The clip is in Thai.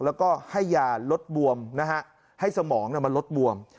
แล้วก็ให้ยาลดบวมให้สมองลดบวม